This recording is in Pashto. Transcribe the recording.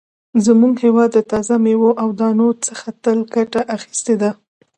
زموږ هېواد د تازه مېوو او دانو څخه تل ګټه اخیستې ده.